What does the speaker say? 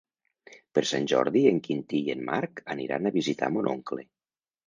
Per Sant Jordi en Quintí i en Marc aniran a visitar mon oncle.